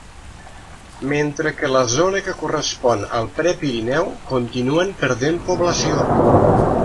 Mentre que la zona que correspon al Prepirineu continuen perdent població.